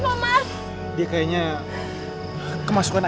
ketika kamu tak usah numaikan